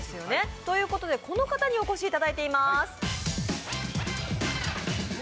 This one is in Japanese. ということでこの方にお越しいただいています。